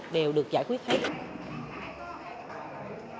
đều được giải quyết hết